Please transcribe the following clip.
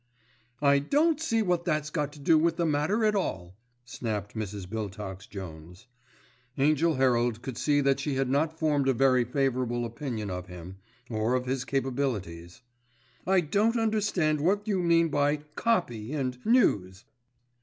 "I don't see what that's got to do with the matter at all," snapped Mrs. Biltox Jones. Angell Herald could see that she had not formed a very favourable opinion of him, or of his capabilities. "I don't understand what you mean by 'copy' and 'news.